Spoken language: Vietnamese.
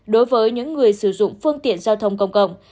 đối với những người sử dụng phương tiện giao thông công cộng